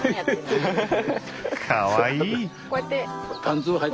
かわいい！